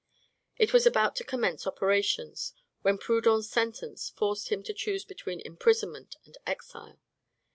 It was about to commence operations, when Proudhon's sentence forced him to choose between imprisonment and exile.